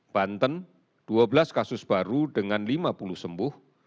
banten dua belas kasus baru dengan lima puluh sembuh